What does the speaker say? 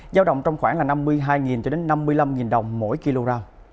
giao động trong khoảng năm mươi hai năm mươi năm đồng mỗi kg